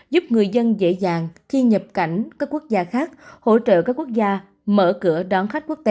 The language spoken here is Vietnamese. giúp người dân dễ dàng khi nhập cảnh các quốc gia khác hỗ trợ các quốc gia mở cửa đón khách quốc tế